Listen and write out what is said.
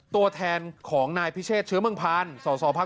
ตัวแทนของนายพิเชศเชื้อเมืองพลวงภาร